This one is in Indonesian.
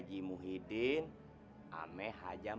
itu keberasaan luaran